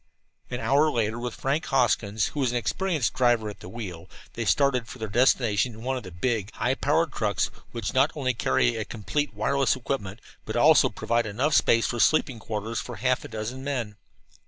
An hour later, with Frank Hoskins, who was an experienced driver, at the wheel, they started for their destination in one of the big, high powered trucks which not only carry a complete wireless equipment but also provide enough space for sleeping quarters for half a dozen men.